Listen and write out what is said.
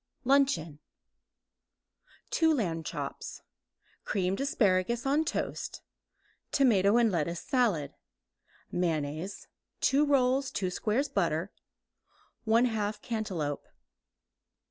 LUNCHEON Lamb chops (2); creamed asparagus on toast; tomato and lettuce salad, mayonnaise; 2 rolls; 2 squares butter; 1/2 cantaloupe.